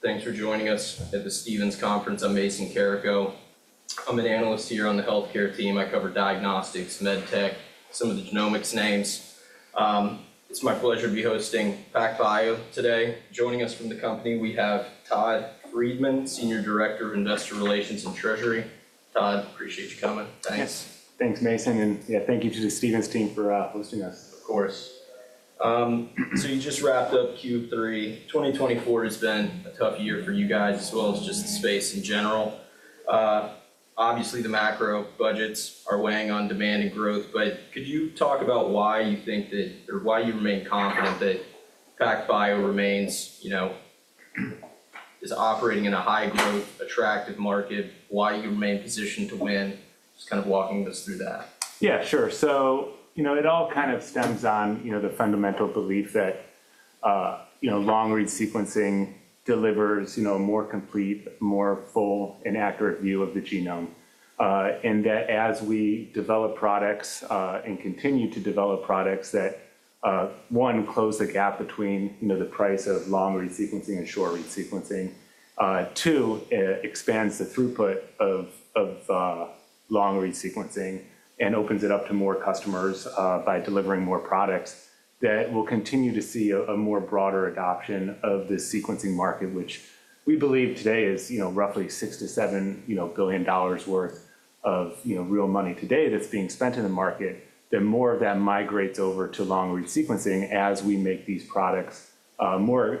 Thanks for joining us at the Stephens Conference. I'm Mason Carrico. I'm an analyst here on the healthcare team. I cover diagnostics, med tech, some of the genomics names. It's my pleasure to be hosting PacBio today. Joining us from the company, we have Todd Friedman, Senior Director of Investor Relations and Treasury. Todd, appreciate you coming. Thanks. Thanks, Mason. And yeah, thank you to the Stephens team for hosting us, of course. So you just wrapped up Q3. 2024 has been a tough year for you guys, as well as just the space in general. Obviously, the macro budgets are weighing on demand and growth, but could you talk about why you think that, or why you remain confident that PacBio remains operating in a high-growth, attractive market? Why do you remain positioned to win? Just kind of walking us through that. Yeah, sure. So it all kind of stems on the fundamental belief that long-read sequencing delivers a more complete, more full, and accurate view of the genome. And that as we develop products and continue to develop products, that, one, close the gap between the price of long-read sequencing and short-read sequencing. Two, it expands the throughput of long-read sequencing and opens it up to more customers by delivering more products that will continue to see a more broader adoption of the sequencing market, which we believe today is roughly $6 billion-$7 billion worth of real money today that's being spent in the market. Then more of that migrates over to long-read sequencing as we make these products more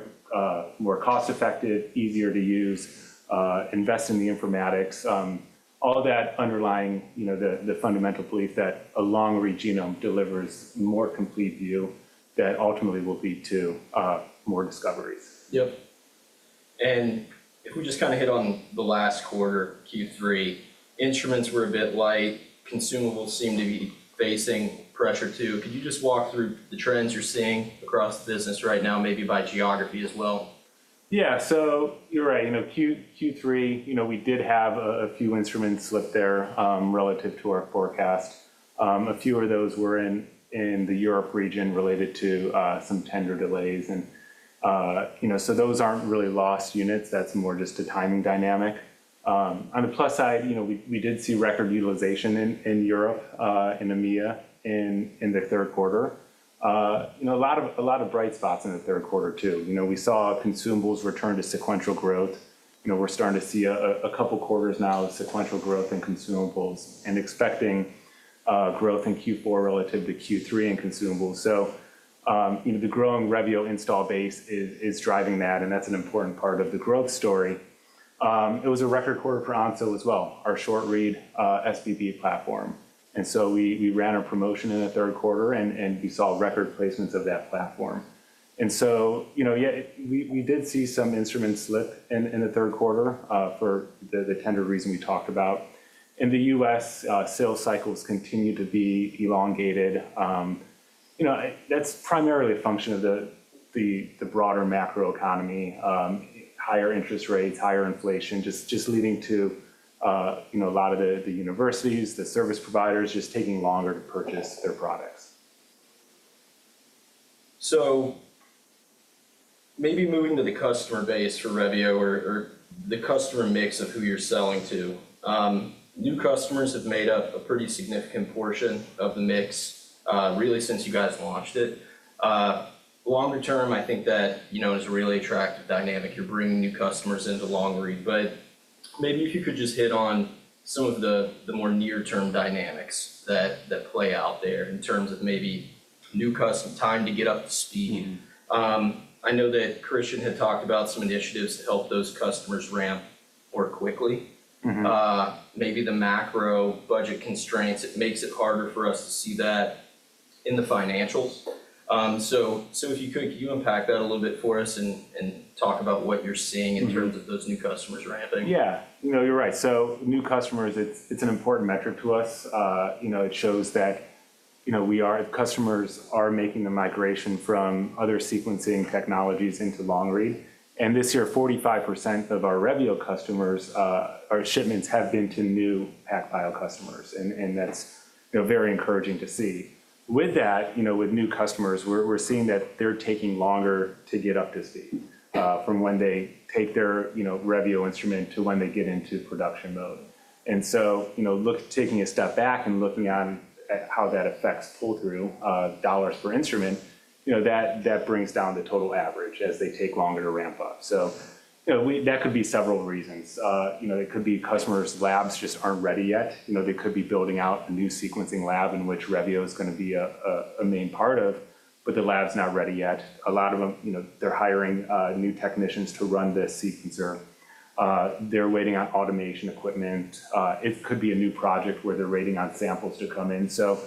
cost-effective, easier to use, invest in the informatics. All that underlying the fundamental belief that a long-read genome delivers a more complete view that ultimately will lead to more discoveries. Yep. And if we just kind of hit on the last quarter, Q3, instruments were a bit light. Consumables seem to be facing pressure, too. Could you just walk through the trends you're seeing across the business right now, maybe by geography as well? Yeah. So you're right. Q3, we did have a few instruments slip there relative to our forecast. A few of those were in the Europe region related to some tender delays. And so those aren't really lost units. That's more just a timing dynamic. On the plus side, we did see record utilization in Europe and EMEA in the Q3. A lot of bright spots in the Q3, too. We saw consumables return to sequential growth. We're starting to see a couple of quarters now of sequential growth in consumables and expecting growth in Q4 relative to Q3 in consumables. So the growing Revio install base is driving that, and that's an important part of the growth story. It was a record quarter for Onso as well, our short-read SBB platform. We ran our promotion in the Q3, and we saw record placements of that platform. Yeah, we did see some instruments slip in the Q3 for the tender reason we talked about. In the U.S., sales cycles continue to be elongated. That's primarily a function of the broader macroeconomy, higher interest rates, higher inflation, just leading to a lot of the universities, the service providers just taking longer to purchase their products. So maybe moving to the customer base for Revio or the customer mix of who you're selling to. New customers have made up a pretty significant portion of the mix, really, since you guys launched it. Longer term, I think that is a really attractive dynamic. You're bringing new customers into long-read. But maybe if you could just hit on some of the more near-term dynamics that play out there in terms of maybe new customers, time to get up to speed. I know that Christian had talked about some initiatives to help those customers ramp more quickly. Maybe the macro budget constraints, it makes it harder for us to see that in the financials. So if you could, can you unpack that a little bit for us and talk about what you're seeing in terms of those new customers ramping? Yeah. No, you're right. So new customers, it's an important metric to us. It shows that customers are making the migration from other sequencing technologies into long-read. And this year, 45% of our Revio customers, our shipments have been to new PacBio customers. And that's very encouraging to see. With that, with new customers, we're seeing that they're taking longer to get up to speed from when they take their Revio instrument to when they get into production mode. And so taking a step back and looking at how that affects pull-through dollars per instrument, that brings down the total average as they take longer to ramp up. So that could be several reasons. It could be customers' labs just aren't ready yet. They could be building out a new sequencing lab in which Revio is going to be a main part of, but the lab's not ready yet. A lot of them, they're hiring new technicians to run the sequencer. They're waiting on automation equipment. It could be a new project where they're waiting on samples to come in. So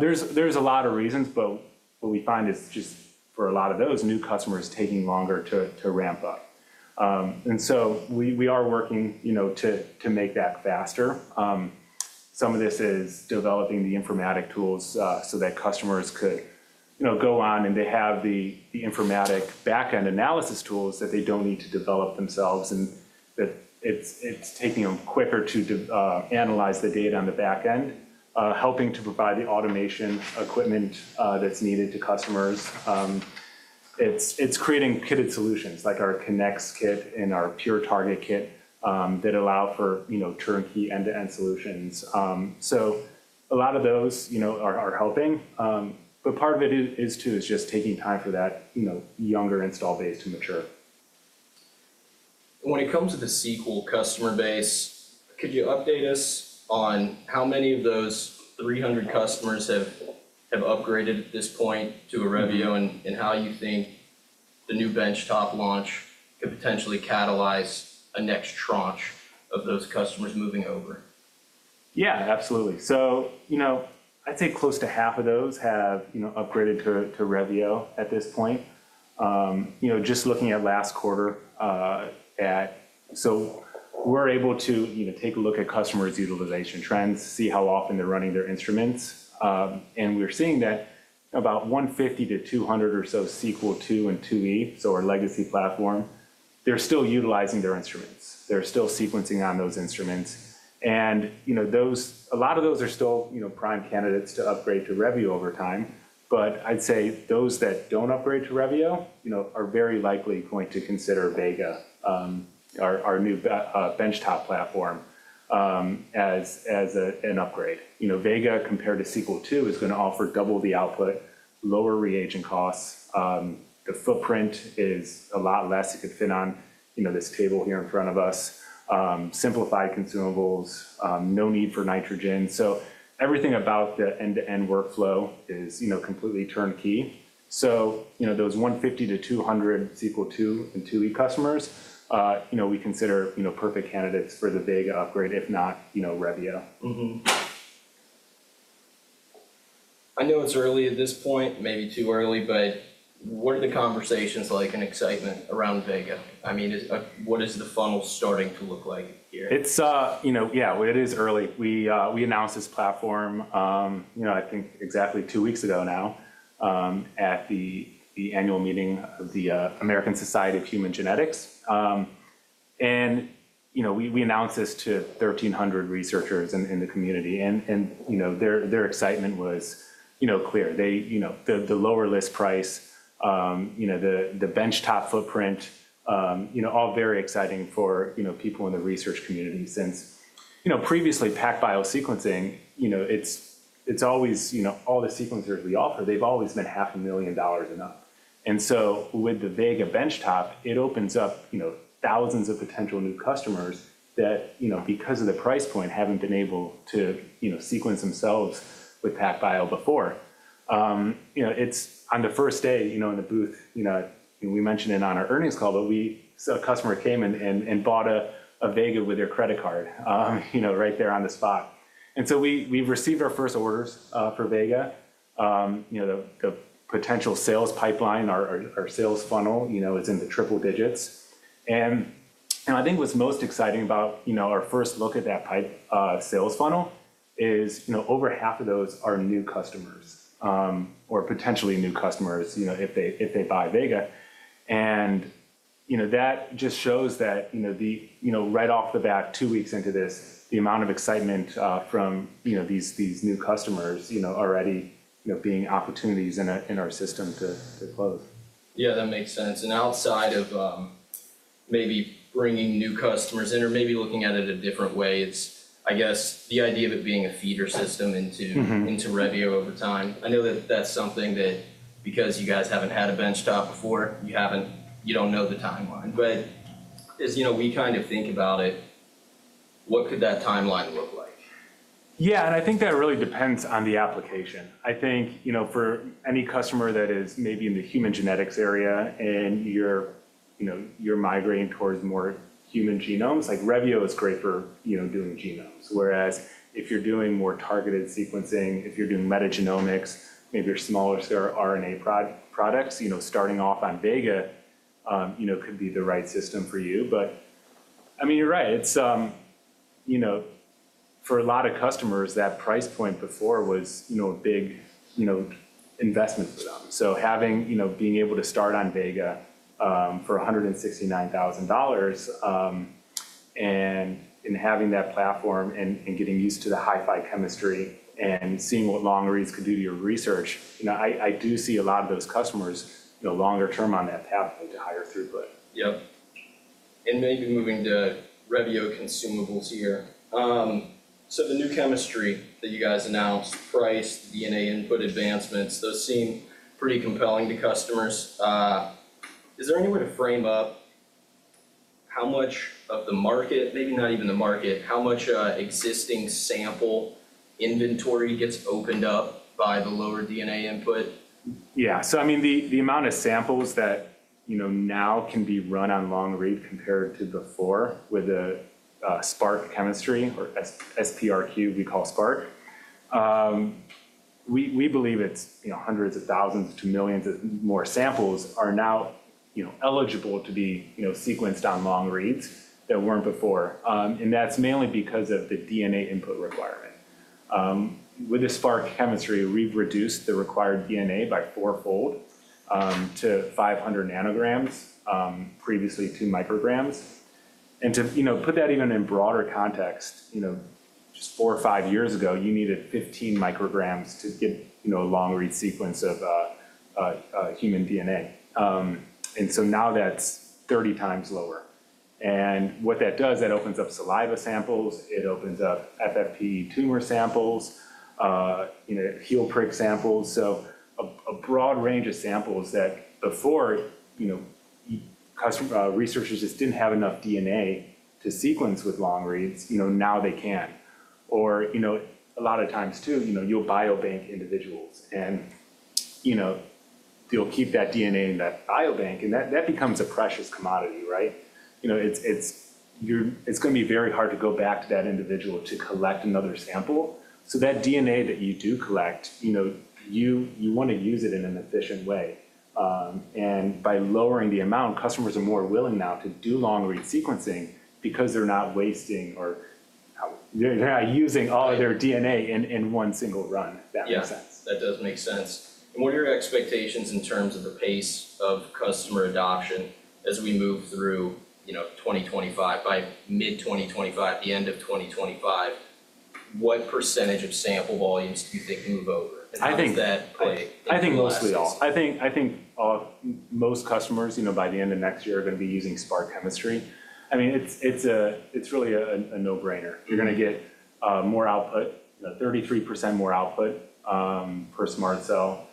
there's a lot of reasons, but what we find is just for a lot of those, new customers taking longer to ramp up. And so we are working to make that faster. Some of this is developing the informatics tools so that customers could go on and they have the informatics backend analysis tools that they don't need to develop themselves, and that it's taking them quicker to analyze the data on the backend, helping to provide the automation equipment that's needed to customers. It's creating kitted solutions like our Kinnex kit and our PureTarget kit that allow for turnkey end-to-end solutions. So a lot of those are helping. But part of it is, too, just taking time for that younger install base to mature. When it comes to the Sequel II customer base, could you update us on how many of those 300 customers have upgraded at this point to a Revio and how you think the new benchtop launch could potentially catalyze a next tranche of those customers moving over? Yeah, absolutely. So I'd say close to half of those have upgraded to Revio at this point. Just looking at last quarter, so we're able to take a look at customers' utilization trends, see how often they're running their instruments. And we're seeing that about 150-200 or so Sequel II and IIe, so our legacy platform, they're still utilizing their instruments. They're still sequencing on those instruments. And a lot of those are still prime candidates to upgrade to Revio over time. But I'd say those that don't upgrade to Revio are very likely going to consider Vega, our new benchtop platform, as an upgrade. Vega, compared to Sequel II, is going to offer double the output, lower reagent costs. The footprint is a lot less. You could fit on this table here in front of us. Simplified consumables, no need for nitrogen. So everything about the end-to-end workflow is completely turnkey. So those 150 to 200 Sequel II and IIe customers, we consider perfect candidates for the Vega upgrade, if not Revio. I know it's early at this point, maybe too early, but what are the conversations like and excitement around Vega? I mean, what is the funnel starting to look like here? Yeah, it is early. We announced this platform, I think, exactly two weeks ago now at the annual meeting of the American Society of Human Genetics. And we announced this to 1,300 researchers in the community. And their excitement was clear. The lower list price, the benchtop footprint, all very exciting for people in the research community. Since previously, PacBio sequencing, it's always all the sequencers we offer, they've always been $500,000 and up. And so with the Vega benchtop, it opens up thousands of potential new customers that, because of the price point, haven't been able to sequence themselves with PacBio before. On the first day in the booth, we mentioned it on our earnings call, but a customer came and bought a Vega with their credit card right there on the spot. And so we've received our first orders for Vega. The potential sales pipeline, our sales funnel, is in the triple digits, and I think what's most exciting about our first look at that sales funnel is over half of those are new customers or potentially new customers if they buy Vega, and that just shows that right off the bat, two weeks into this, the amount of excitement from these new customers already being opportunities in our system to close. Yeah, that makes sense. And outside of maybe bringing new customers in or maybe looking at it a different way, it's, I guess, the idea of it being a feeder system into Revio over time. I know that that's something that, because you guys haven't had a benchtop before, you don't know the timeline. But as we kind of think about it, what could that timeline look like? Yeah. And I think that really depends on the application. I think for any customer that is maybe in the human genetics area and you're migrating towards more human genomes, Revio is great for doing genomes. Whereas if you're doing more targeted sequencing, if you're doing metagenomics, maybe you're smaller RNA products, starting off on Vega could be the right system for you. But I mean, you're right. For a lot of customers, that price point before was a big investment for them. So being able to start on Vega for $169,000 and having that platform and getting used to the HiFi chemistry and seeing what long-reads could do to your research, I do see a lot of those customers longer term on that pathway to higher throughput. Yep. And maybe moving to Revio consumables here. So the new chemistry that you guys announced, price, DNA input advancements, those seem pretty compelling to customers. Is there any way to frame up how much of the market, maybe not even the market, how much existing sample inventory gets opened up by the lower DNA input? Yeah. So I mean, the amount of samples that now can be run on long-read compared to before with the SPRQ chemistry or SPRQ, we call SPRQ, we believe it's hundreds of thousands to millions more samples are now eligible to be sequenced on long reads that weren't before. And that's mainly because of the DNA input requirement. With the SPRQ chemistry, we've reduced the required DNA by four-fold to 500 nanograms, previously two micrograms. And to put that even in broader context, just four or five years ago, you needed 15 micrograms to get a long-read sequence of human DNA. And so now that's 30 times lower. And what that does, that opens up saliva samples. It opens up FFPE tumor samples, heel prick samples. So a broad range of samples that before, researchers just didn't have enough DNA to sequence with long reads. Now they can. Or a lot of times, too, you'll biobank individuals, and they'll keep that DNA in that biobank. And that becomes a precious commodity, right? It's going to be very hard to go back to that individual to collect another sample. So that DNA that you do collect, you want to use it in an efficient way. And by lowering the amount, customers are more willing now to do long-read sequencing because they're not wasting or they're not using all of their DNA in one single run, if that makes sense. Yeah, that does make sense, and what are your expectations in terms of the pace of customer adoption as we move through 2025, by mid-2025, the end of 2025? What percentage of sample volumes do you think move over, and how does that play? I think mostly all. I think most customers by the end of next year are going to be using SPRQ chemistry. I mean, it's really a no-brainer. You're going to get more output, 33% more output per SMRT Cell.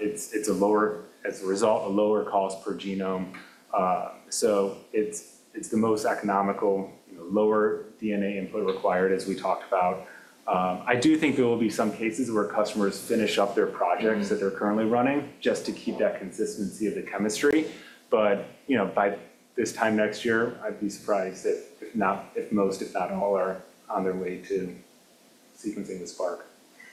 It's a lower, as a result, a lower cost per genome. So it's the most economical, lower DNA input required, as we talked about. I do think there will be some cases where customers finish up their projects that they're currently running just to keep that consistency of the chemistry. But by this time next year, I'd be surprised if most, if not all, are on their way to sequencing with SPRQ.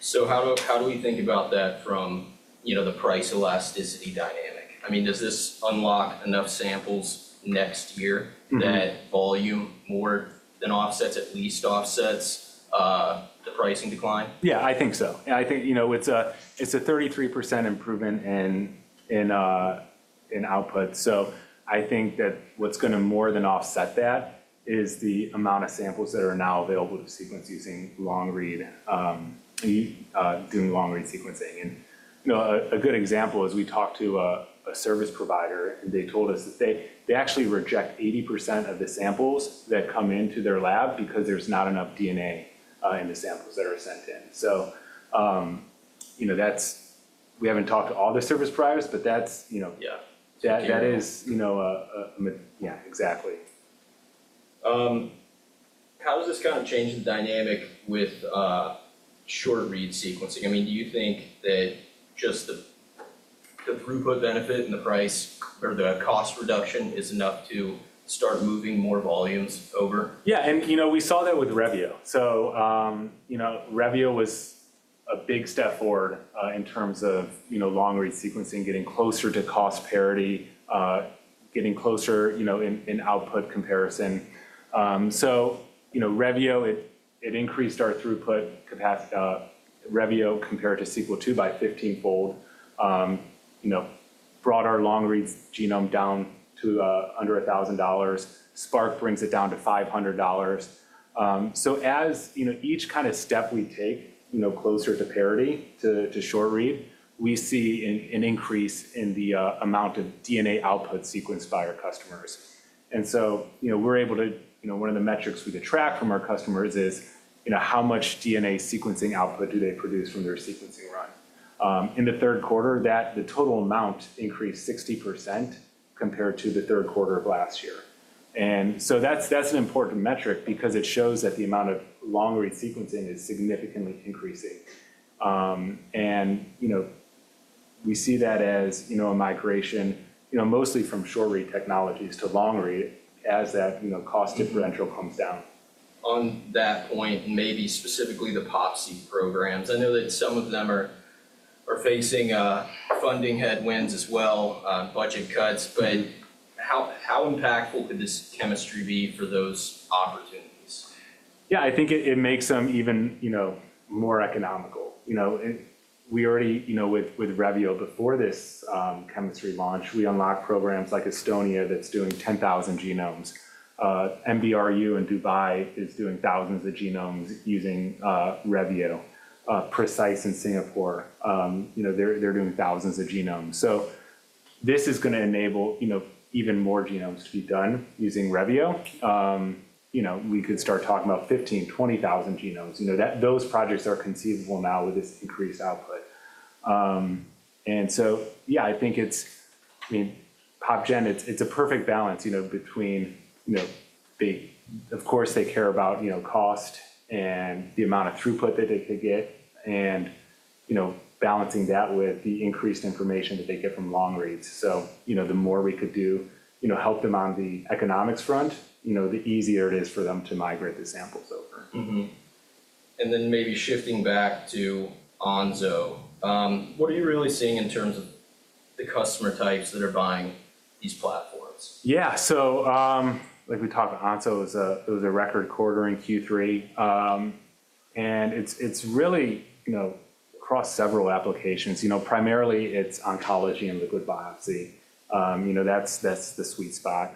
So how do we think about that from the price elasticity dynamic? I mean, does this unlock enough samples next year that volume more than offsets, at least offsets the pricing decline? Yeah, I think so. I think it's a 33% improvement in output. So I think that what's going to more than offset that is the amount of samples that are now available to sequence using long-read, doing long-read sequencing. And a good example is we talked to a service provider, and they told us that they actually reject 80% of the samples that come into their lab because there's not enough DNA in the samples that are sent in. So we haven't talked to all the service providers, but that is, yeah, exactly. How does this kind of change the dynamic with short-read sequencing? I mean, do you think that just the throughput benefit and the price or the cost reduction is enough to start moving more volumes over? Yeah. And we saw that with Revio. So Revio was a big step forward in terms of long-read sequencing, getting closer to cost parity, getting closer in output comparison. So Revio, it increased our throughput capacity. Revio, compared to Sequel II, by 15-fold, brought our long-read genome down to under $1,000. brings it down to $500. So as each kind of step we take closer to parity to short-read, we see an increase in the amount of DNA output sequenced by our customers. And so we're able to one of the metrics we can track from our customers is how much DNA sequencing output do they produce from their sequencing run. In the Q3, the total amount increased 60% compared to the Q3 of last year. And so that's an important metric because it shows that the amount of long-read sequencing is significantly increasing. We see that as a migration, mostly from short-read technologies to long-read as that cost differential comes down. On that point, maybe specifically the PopGen programs. I know that some of them are facing funding headwinds as well on budget cuts. But how impactful could this chemistry be for those opportunities? Yeah, I think it makes them even more economical. We already, with Revio before this chemistry launch, we unlocked programs like Estonia that's doing 10,000 genomes. MBRU in Dubai is doing thousands of genomes using Revio. PRECISE in Singapore, they're doing thousands of genomes. So this is going to enable even more genomes to be done using Revio. We could start talking about 15,000, 20,000 genomes. Those projects are conceivable now with this increased output. And so, yeah, I think it's I mean, PopGen, it's a perfect balance between of course, they care about cost and the amount of throughput that they could get and balancing that with the increased information that they get from long-reads. So the more we could help them on the economics front, the easier it is for them to migrate the samples over. Maybe shifting back to Onso, what are you really seeing in terms of the customer types that are buying these platforms? Yeah. So like we talked about, Onso is a record quarter in Q3. And it's really across several applications. Primarily, it's oncology and liquid biopsy. That's the sweet spot.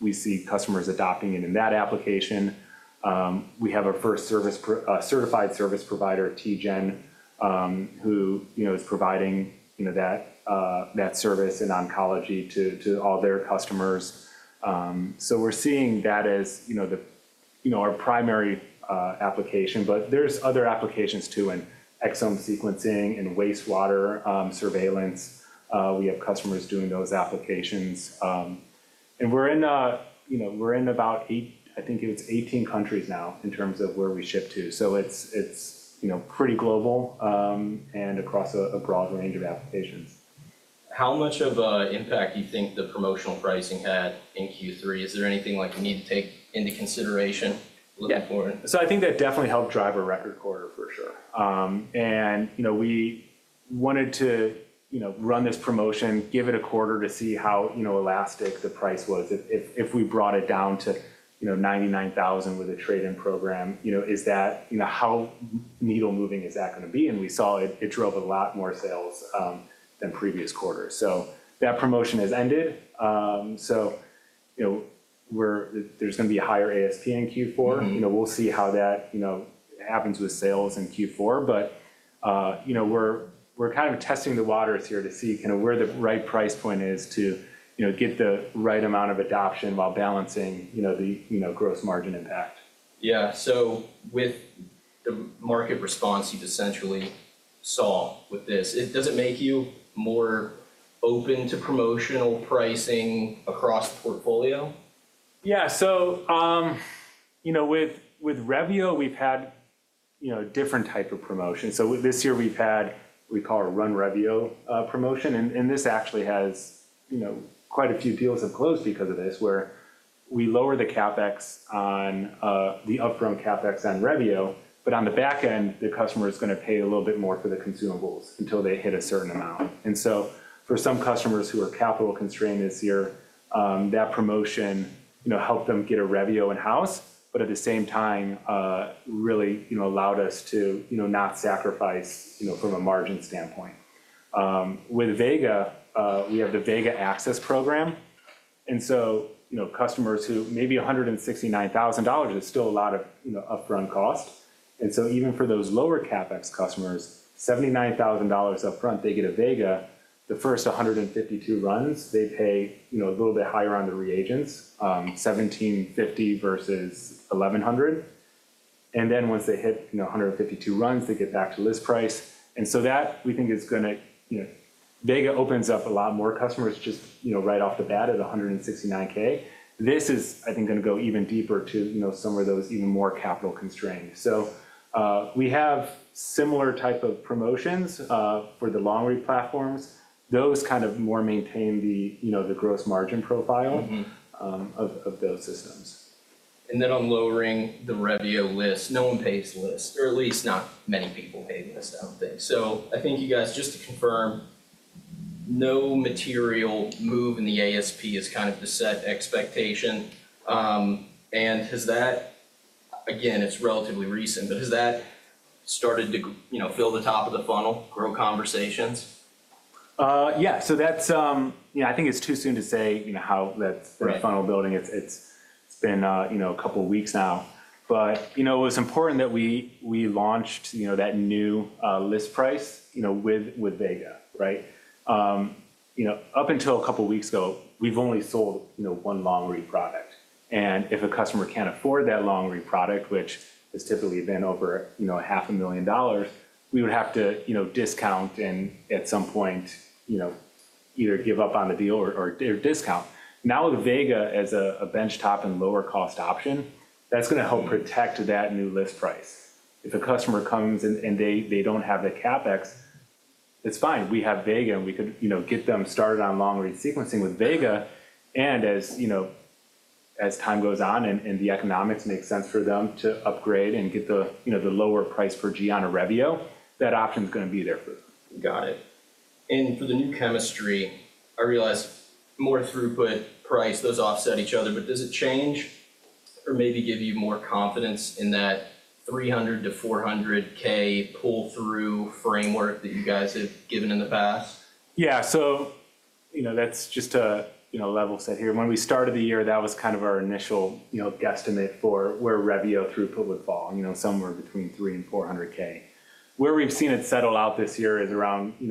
We see customers adopting it in that application. We have a first certified service provider, TGen, who is providing that service in oncology to all their customers. So we're seeing that as our primary application. But there's other applications too, in exome sequencing and wastewater surveillance. We have customers doing those applications. And we're in about, I think it's 18 countries now in terms of where we ship to. So it's pretty global and across a broad range of applications. How much of an impact do you think the promotional pricing had in Q3? Is there anything like you need to take into consideration looking forward? Yeah. So I think that definitely helped drive a record quarter, for sure. And we wanted to run this promotion, give it a quarter to see how elastic the price was. If we brought it down to $99,000 with a trade-in program, how needle moving is that going to be? And we saw it drove a lot more sales than previous quarters. So that promotion has ended. So there's going to be a higher ASP in Q4. We'll see how that happens with sales in Q4. But we're kind of testing the waters here to see where the right price point is to get the right amount of adoption while balancing the gross margin impact. Yeah. So with the market response you just essentially saw with this, does it make you more open to promotional pricing across the portfolio? Yeah. So with Revio, we've had different types of promotions. So this year, we've had what we call a Run Revio promotion. And this actually has quite a few deals have closed because of this, where we lower the CapEx on the upfront CapEx on Revio. But on the back end, the customer is going to pay a little bit more for the consumables until they hit a certain amount. And so for some customers who are capital constrained this year, that promotion helped them get a Revio in-house, but at the same time, really allowed us to not sacrifice from a margin standpoint. With Vega, we have the Vega Access program. And so customers who maybe $169,000 is still a lot of upfront cost. And so even for those lower CapEx customers, $79,000 upfront, they get a Vega. The first 152 runs, they pay a little bit higher on the reagents, $1,750 versus $1,100. And then once they hit 152 runs, they get back to list price. And so that, we think, is going to. Vega opens up a lot more customers just right off the bat at $169,000. This is, I think, going to go even deeper to some of those even more capital constrained. So we have similar types of promotions for the long-read platforms. Those kind of more maintain the gross margin profile of those systems. And then on lowering the Revio list, no one pays list, or at least not many people pay list, I don't think. So I think you guys, just to confirm, no material move in the ASP has kind of to set expectation. And again, it's relatively recent, but has that started to fill the top of the funnel, grow conversations? Yeah, so I think it's too soon to say how that's the funnel building. It's been a couple of weeks now, but it was important that we launched that new list price with Vega, right? Up until a couple of weeks ago, we've only sold one long-read product, and if a customer can't afford that long-read product, which has typically been over $500,000, we would have to discount and at some point either give up on the deal or discount. Now with Vega, as a benchtop and lower-cost option, that's going to help protect that new list price. If a customer comes and they don't have the CapEx, it's fine. We have Vega, and we could get them started on long-read sequencing with Vega. As time goes on and the economics make sense for them to upgrade and get the lower price per G on a Revio, that option is going to be there for them. Got it. And for the new chemistry, I realize more throughput price, those offset each other. But does it change or maybe give you more confidence in that 300-400K pull-through framework that you guys have given in the past? Yeah. So that's just a level set here. When we started the year, that was kind of our initial guesstimate for where Revio throughput would fall, somewhere between 300,000 and 400,000. Where we've seen it settle out this year is around in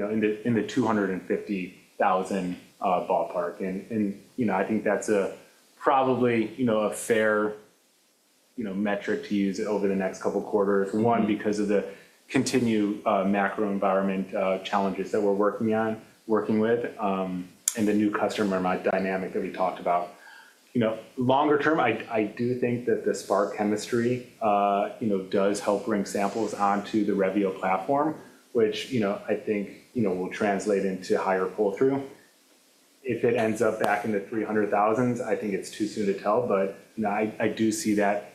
the 250,000 ballpark. And I think that's probably a fair metric to use over the next couple of quarters, one, because of the continued macro environment challenges that we're working on, working with, and the new customer dynamic that we talked about. Longer term, I do think that the SPRQ chemistry does help bring samples onto the Revio platform, which I think will translate into higher pull-through. If it ends up back in the 300,000s, I think it's too soon to tell. But I do see that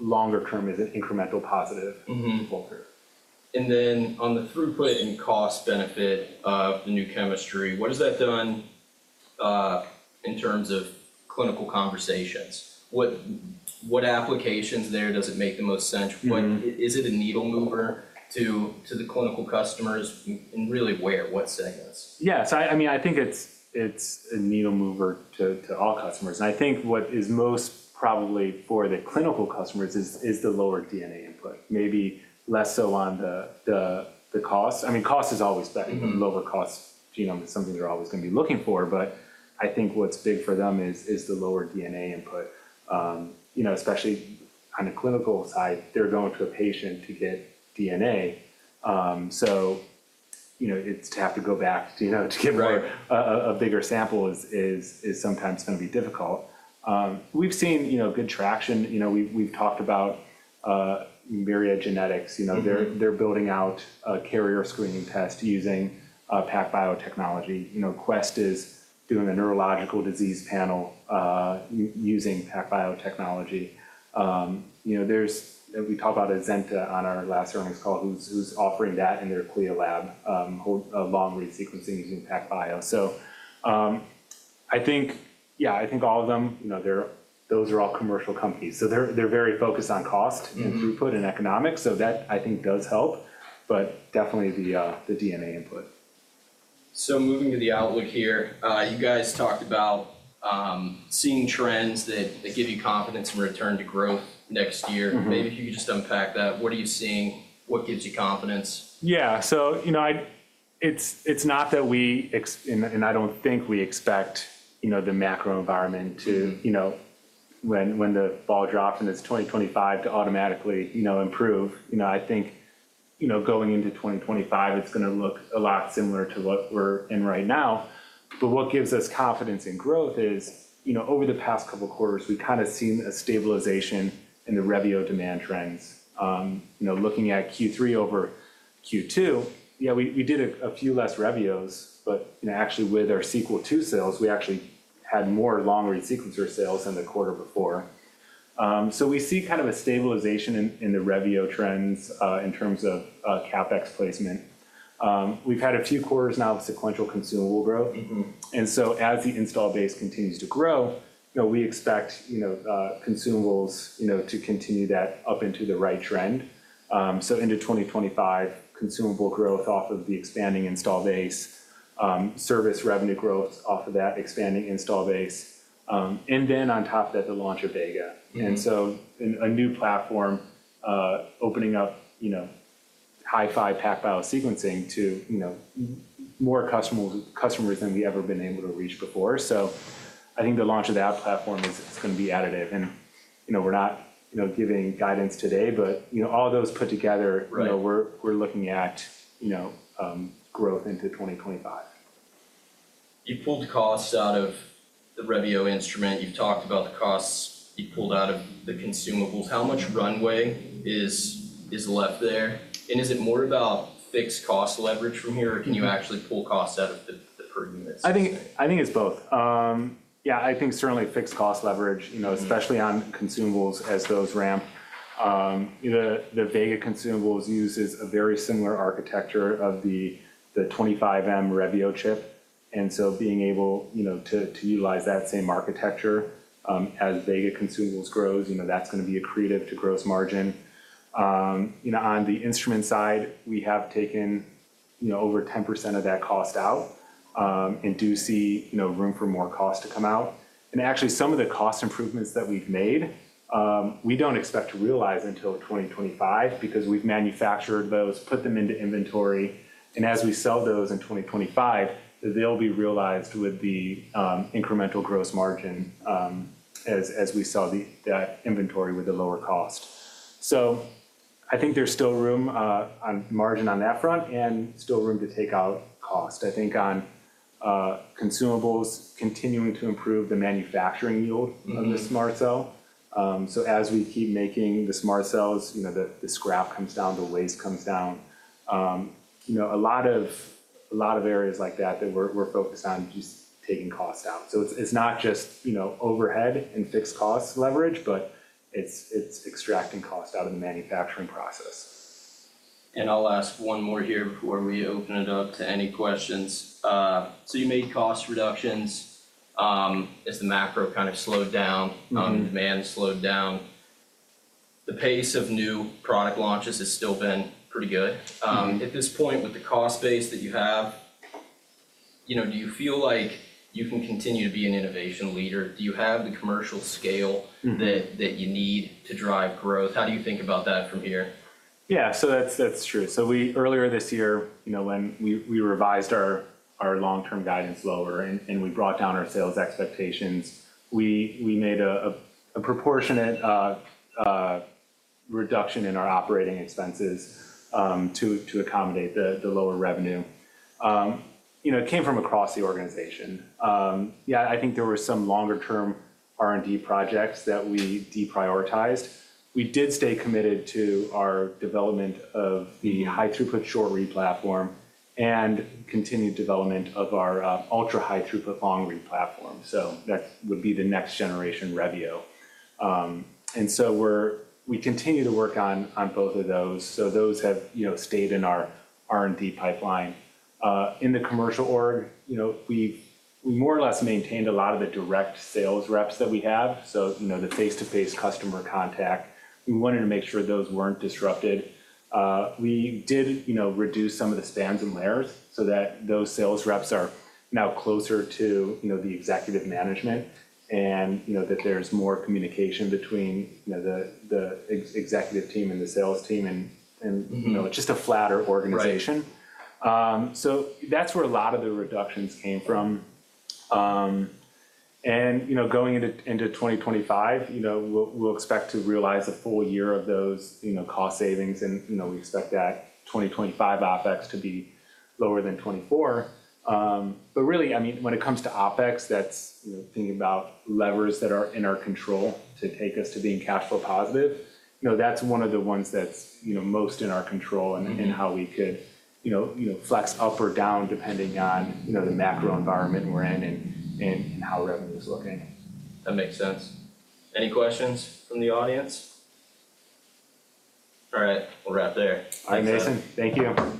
longer term as an incremental positive in the long term. And then on the throughput and cost benefit of the new chemistry, what has that done in terms of clinical conversations? What applications there does it make the most sense? Is it a needle mover to the clinical customers? And really, where, what segments? Yeah. So I mean, I think it's a needle mover to all customers. And I think what is most probably for the clinical customers is the lower DNA input, maybe less so on the cost. I mean, cost is always better. Lower-cost genome is something they're always going to be looking for. But I think what's big for them is the lower DNA input, especially on the clinical side. They're going to a patient to get DNA. So to have to go back to get a bigger sample is sometimes going to be difficult. We've seen good traction. We've talked about Myriad Genetics. They're building out a carrier screening test using PacBio. Quest is doing a neurological disease panel using PacBio. We talked about Azenta on our last earnings call, who's offering that in their CLIA lab, long-read sequencing using PacBio. So, I think, yeah, I think all of them, those are all commercial companies. So they're very focused on cost and throughput and economics. So that, I think, does help. But definitely the DNA input. So moving to the outlook here, you guys talked about seeing trends that give you confidence in return to growth next year. Maybe if you could just unpack that, what are you seeing? What gives you confidence? Yeah. So it's not that we and I don't think we expect the macro environment to, when the ball drops in this 2025, to automatically improve. I think going into 2025, it's going to look a lot similar to what we're in right now. But what gives us confidence in growth is over the past couple of quarters, we've kind of seen a stabilization in the Revio demand trends. Looking at Q3 over Q2, yeah, we did a few less Revios. But actually, with our Sequel II sales, we actually had more long-read sequencer sales than the quarter before. So we see kind of a stabilization in the Revio trends in terms of CapEx placement. We've had a few quarters now of sequential consumable growth. And so as the install base continues to grow, we expect consumables to continue that up into the right trend. So into 2025, consumable growth off of the expanding install base, service revenue growth off of that expanding install base. And then on top of that, the launch of Vega. And so a new platform opening up HiFi PacBio sequencing to more customers than we've ever been able to reach before. So I think the launch of that platform is going to be additive. And we're not giving guidance today. But all those put together, we're looking at growth into 2025. You pulled costs out of the Revio instrument. You've talked about the costs you pulled out of the consumables. How much runway is left there? And is it more about fixed cost leverage from here, or can you actually pull costs out of the per units? I think it's both. Yeah, I think certainly fixed cost leverage, especially on consumables as those ramp. The Vega consumables use is a very similar architecture of the 25M Revio chip, and so being able to utilize that same architecture as Vega consumables grows, that's going to be accretive to gross margin. On the instrument side, we have taken over 10% of that cost out and do see room for more cost to come out. Actually, some of the cost improvements that we've made, we don't expect to realize until 2025 because we've manufactured those, put them into inventory, and as we sell those in 2025, they'll be realized with the incremental gross margin as we sell that inventory with the lower cost, so I think there's still room on margin on that front and still room to take out cost. I think on consumables, continuing to improve the manufacturing yield of the SMRT cell. So as we keep making the SMRT cells, the scrap comes down, the waste comes down. A lot of areas like that that we're focused on just taking cost out. So it's not just overhead and fixed cost leverage, but it's extracting cost out of the manufacturing process. And I'll ask one more here before we open it up to any questions. So you made cost reductions as the macro kind of slowed down, non-demand slowed down. The pace of new product launches has still been pretty good. At this point, with the cost base that you have, do you feel like you can continue to be an innovation leader? Do you have the commercial scale that you need to drive growth? How do you think about that from here? Yeah. So that's true. So earlier this year, when we revised our long-term guidance lower and we brought down our sales expectations, we made a proportionate reduction in our operating expenses to accommodate the lower revenue. It came from across the organization. Yeah, I think there were some longer-term R&D projects that we deprioritized. We did stay committed to our development of the high-throughput short-read platform and continued development of our ultra-high-throughput long-read platform. So that would be the next generation Revio. And so we continue to work on both of those. So those have stayed in our R&D pipeline. In the commercial org, we more or less maintained a lot of the direct sales reps that we have, so the face-to-face customer contact. We wanted to make sure those weren't disrupted. We did reduce some of the spans and layers so that those sales reps are now closer to the executive management and that there's more communication between the executive team and the sales team, and it's just a flatter organization, so that's where a lot of the reductions came from, and going into 2025, we'll expect to realize a full year of those cost savings, and we expect that 2025 OpEx to be lower than 24. But really, I mean, when it comes to OpEx, that's thinking about levers that are in our control to take us to being cash flow positive, but that's one of the ones that's most in our control and how we could flex up or down depending on the macro environment we're in and how revenue is looking. That makes sense. Any questions from the audience? All right. We'll wrap there. All right, Mason. Thank you.